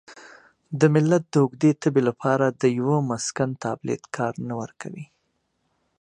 د ملت د اوږدې تبې لپاره د یوه مسکن تابلیت کار نه ورکوي.